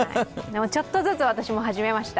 ちょっとずつ、私も始めました。